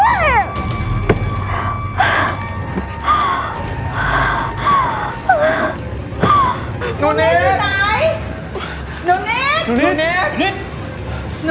มันอะไรขึ้น